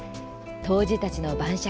「杜氏たちの晩酌」